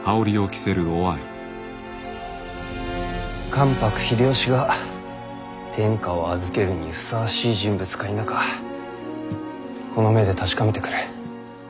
関白秀吉が天下を預けるにふさわしい人物か否かこの目で確かめてくる。